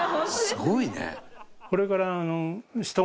すごいね。